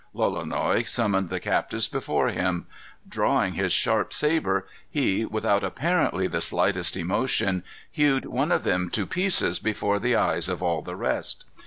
Lolonois summoned the captives before him. Drawing his sharp sabre, he, without apparently the slightest emotion, hewed one of them to pieces before the eyes of all the rest.